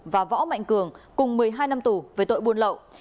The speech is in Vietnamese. và võ mạnh cường cùng một mươi hai năm tù về tội buôn lậu